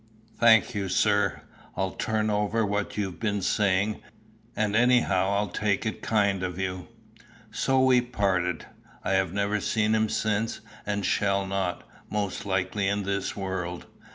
"Thank you, sir. I'll turn over what you've been saying, and anyhow I take it kind of you." So we parted. I have never seen him since, and shall not, most likely, in this world.